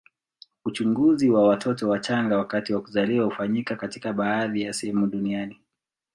Uchunguzi wa watoto wachanga wakati wa kuzaliwa hufanyika katika baadhi ya sehemu duniani.